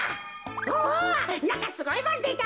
おなんかすごいもんでた。